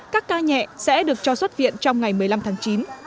các ca nhẹ sẽ được cho xuất viện trong ngày một mươi năm tháng chín